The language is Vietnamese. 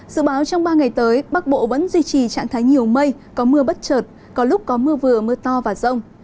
dự báo trong ba ngày tới bắc bộ vẫn duy trì trạng thái nhiều mây có mưa bất trợt có lúc có mưa vừa mưa to và rông